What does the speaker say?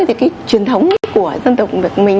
thì cái truyền thống của dân tộc